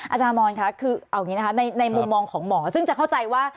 อาจารย์มอนค่ะคือเอาอย่างนี้นะคะในมุมมองของหมอซึ่งจะเข้าใจว่า